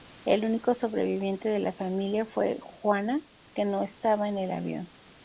El único sobreviviente de la familia fue Juana, que no estaba en el avión.